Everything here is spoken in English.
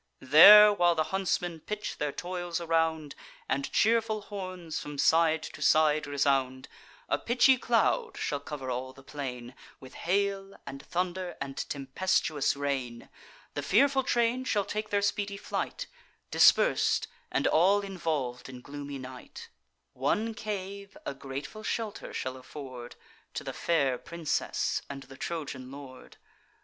There, while the huntsmen pitch their toils around, And cheerful horns from side to side resound, A pitchy cloud shall cover all the plain With hail, and thunder, and tempestuous rain; The fearful train shall take their speedy flight, Dispers'd, and all involv'd in gloomy night; One cave a grateful shelter shall afford To the fair princess and the Trojan lord.